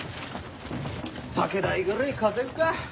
酒代ぐらい稼ぐか。